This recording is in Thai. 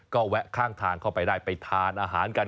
ก็แวะข้างทางเข้าไปได้ไปทานอาหารกัน